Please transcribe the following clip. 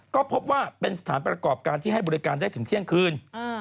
ก็พบว่าเป็นสถานประกอบการที่ให้บริการได้ถึงเที่ยงคืน